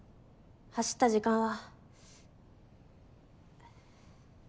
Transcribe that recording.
走った時間は。